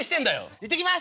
行ってきます！